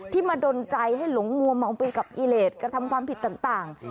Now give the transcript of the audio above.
มาดนใจให้หลงมัวเมาไปกับอิเลสกระทำความผิดต่าง